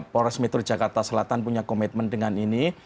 polres metro jakarta selatan punya komitmen dengan ini